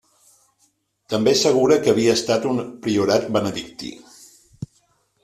També assegura que havia estat un priorat benedictí.